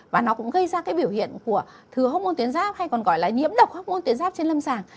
và nó cũng gây ra cái biểu hiện của thừa hốc môn tuyến giáp hay còn gọi là nhiễm độc hóc môn tuyến giáp trên lâm sàng